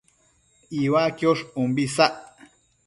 Iuaquiosh umbi isac